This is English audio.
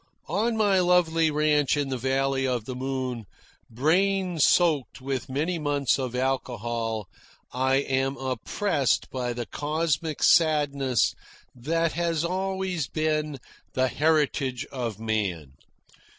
On my lovely ranch in the Valley of the Moon, brain soaked with many months of alcohol, I am oppressed by the cosmic sadness that has always been the heritage of man.